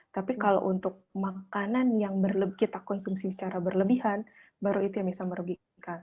tapi kalau untuk makanan yang kita konsumsi secara berlebihan baru itu yang bisa merugikan